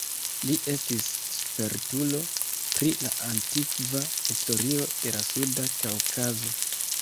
Li estis spertulo pri la antikva historio de la suda Kaŭkazo.